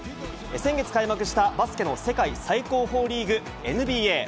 先月開幕したバスケの世界最高峰リーグ、ＮＢＡ。